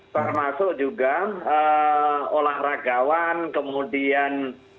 termasuk juga olahragawan kemudian